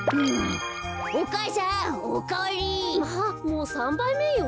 もう３ばいめよ。